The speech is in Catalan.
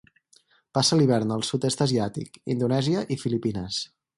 Passa l'hivern al Sud-est asiàtic, Indonèsia i Filipines.